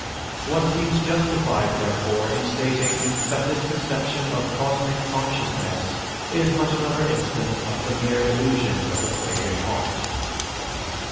One seems justified, therefore, in stating that this conception of "cosmic consciousness" is but another instance of the mere illusions of a craving heart.